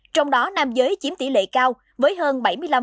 trong đó nam giới chiếm tỷ lệ cao với hơn bảy mươi năm